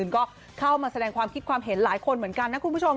ก็เข้ามาแสดงความคิดความเห็นหลายคนเหมือนกันนะคุณผู้ชม